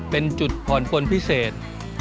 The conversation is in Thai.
เป็นจุดผ่อนปนพิเศษ